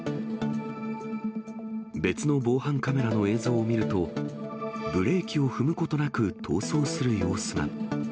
別の防犯カメラの映像を見ると、ブレーキを踏むことなく逃走する様子が。